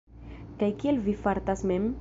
Kaj kiel vi fartas mem?